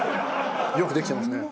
よくできてますね。